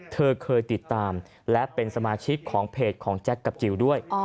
เธอเคยติดตามและเป็นสมาชิกของเพจของแจ็คกับจิลด้วย